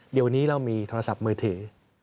เดี๋ยวนี้เรามีโทรศัพท์มือถือ